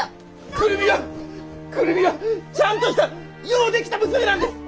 久留美は久留美はちゃんとしたようできた娘なんです！